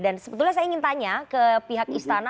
dan sebetulnya saya ingin tanya ke pihak istana